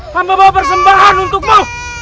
kampung bawa persembahan untukmu